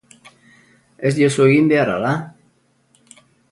Ez diozu egin behar, ala?